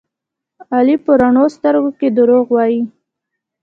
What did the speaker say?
علي په رڼو سترګو کې دروغ وایي.